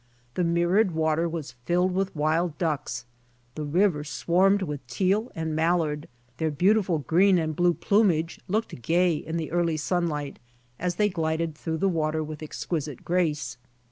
The mirrored water was filled with wild ducks, the river swarming with teal and mallard, their beautiful green and blue plumage looking gay in the early sunlight as they glided through the water with exquisite grace.